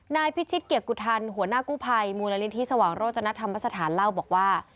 นายพิชิตเกียรติกุธันหัวหน้ากู้ภัยมูลนิธิสว่างโรจนธรรมสถานเล่าบอกว่า